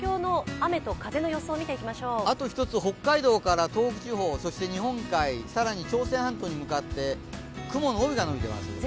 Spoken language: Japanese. あと１つ、北海道から東北地方、更に日本海、朝鮮半島に向かって雲の帯が延びてます。